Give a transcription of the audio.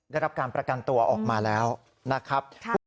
ได้รับการประกันตัวออกมาแล้วนะครับ